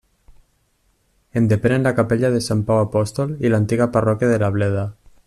En depenen la capella de Sant Pau apòstol i l'antiga parròquia de la Bleda.